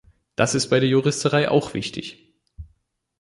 Das ist bei der Juristerei auch wichtig.